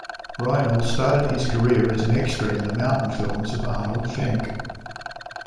Reinl started his career as an extra in the mountain films of Arnold Fanck.